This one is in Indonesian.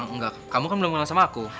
enggak kamu kan belum kenal sama aku